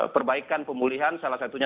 perbaikan pemulihan salah satunya